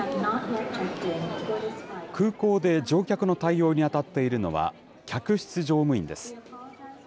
空港で乗客の対応に当たっているのは客室乗務員です。